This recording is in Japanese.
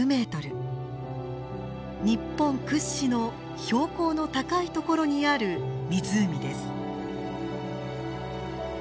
日本屈指の標高の高いところにある湖です。